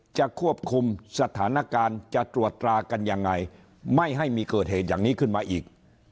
จะควบคุมสถานการณ์จะตรวจตรากันยังไงไม่ให้มีเกิดเหตุอย่างนี้ขึ้นมาอีก